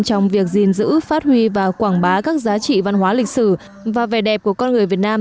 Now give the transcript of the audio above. trong việc gìn giữ phát huy và quảng bá các giá trị văn hóa lịch sử và vẻ đẹp của con người việt nam